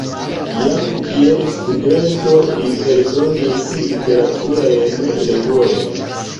Jam kiel studento li eldonis literaturajn revuojn.